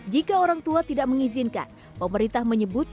jika orang tua tidak mengizinkan pemerintah menyebut